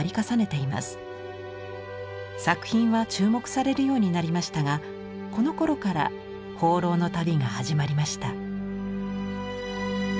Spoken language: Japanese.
作品は注目されるようになりましたがこのころから放浪の旅が始まりました。